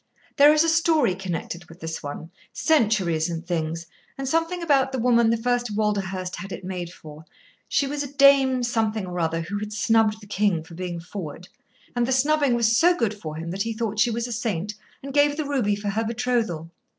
There is a story connected with this one centuries and things, and something about the woman the first Walderhurst had it made for. She was a Dame Something or Other who had snubbed the King for being forward, and the snubbing was so good for him that he thought she was a saint and gave the ruby for her betrothal.